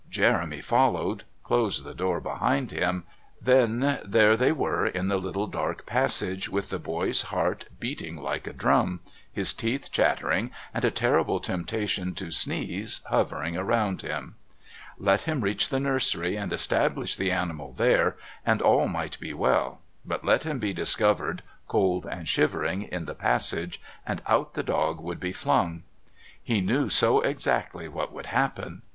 Jeremy followed, closed the door behind him; then there they were in the little dark passage with the boy's heart beating like a drum, his teeth chattering, and a terrible temptation to sneeze hovering around him. Let him reach the nursery and establish the animal there and all might be well, but let them be discovered, cold and shivering, in the passage, and out the dog would be flung. He knew so exactly what would happen.